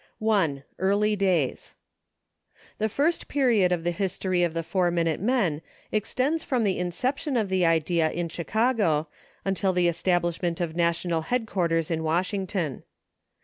I. EARLY DAYS. The first period of the History of the Four Minute Men extends from the inception of the idea in Chicago until the establishment of national headquarters in Washington.